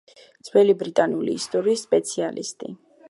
ძველი ბრიტანული ისტორიის სპეციალისტი.